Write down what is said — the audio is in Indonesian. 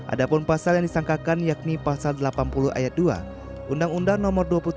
ada pun pasal yang disangkakan yakni pasal delapan puluh ayat dua